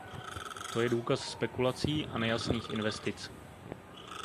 To je důkaz spekulací a nejasných investic.